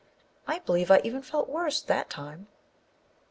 I believe I even felt worse that time.